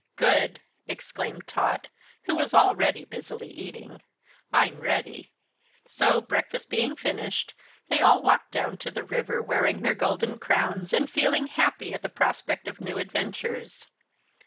"Good!" exclaimed Tot, who was already busily eating; "I'm ready." So, breakfast being finished, they all walked down to the river, wearing their golden crowns and feeling happy at the prospect of new adventures.